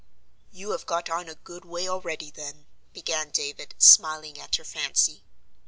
"You have got on a good way already then," began David, smiling at her fancy.